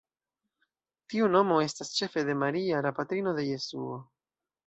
Tiu nomo estas ĉefe de Maria, la patrino de Jesuo.